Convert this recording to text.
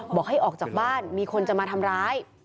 บอกให้ออกจากบ้านมีคนจะมาทำร้าย